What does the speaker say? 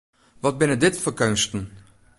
Wat binne dit foar keunsten!